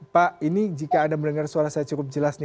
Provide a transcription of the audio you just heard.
pak ini jika anda mendengar suara saya cukup jelas nih